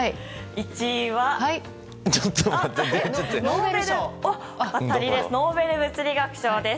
１位はノーベル物理学賞です。